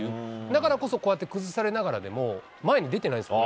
だからこそ、こうやって崩されながらでも前に出てないですか。